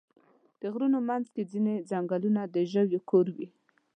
د غرونو منځ کې ځینې ځنګلونه د ژویو کور وي.